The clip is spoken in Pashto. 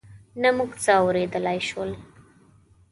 نه موږ څه اورېدای شول.